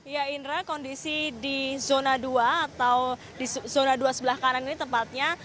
ya indra kondisi di zona dua atau di zona dua sebelah kanan ini tempatnya